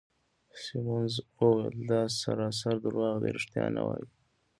سیمونز وویل: دا سراسر درواغ دي، ریښتیا نه وایې.